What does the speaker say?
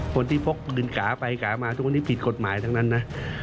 พกดึงขาไปกามาทุกวันนี้ผิดกฎหมายทั้งนั้นนะ